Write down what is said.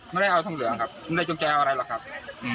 ไม่ได้เอาทองเหลืองครับไม่ได้จงใจเอาอะไรหรอกครับ